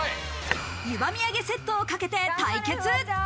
ゆば土産セットをかけて対決。